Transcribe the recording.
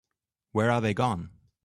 Where are they gone?